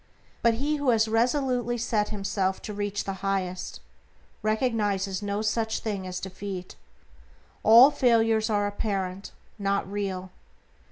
But he who has resolutely set himself to realize the Highest recognizes no such thing as defeat. All failures are apparent, not real.